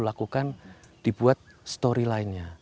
lakukan dibuat storylinenya